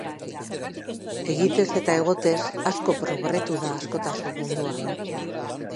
Egitez eta egotez asko probretu da askotasun mundua.